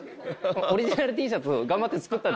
オリジナルＴシャツ頑張って作ったって？